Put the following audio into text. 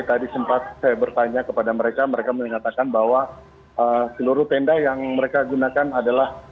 tadi sempat saya bertanya kepada mereka mereka menyatakan bahwa seluruh tenda yang mereka gunakan adalah